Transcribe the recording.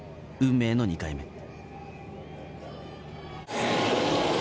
運命の２回目。